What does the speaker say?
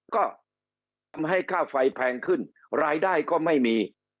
ก็ทำให้ค่าไฟแพงขึ้นรายได้ก็ไม่มี